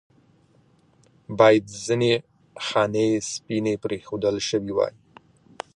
باید ځنې خانې سپینې پرېښودل شوې واې.